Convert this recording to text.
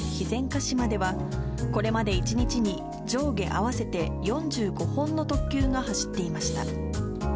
鹿島では、これまで１日に上下合わせて４５本の特急が走っていました。